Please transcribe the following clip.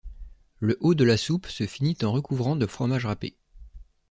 Le haut de la soupe se finit en recouvrant de fromage râpé.